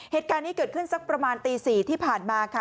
เหตุการณ์นี้เกิดขึ้นสักประมาณตี๔ที่ผ่านมาค่ะ